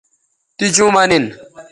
تی چوں مہ نن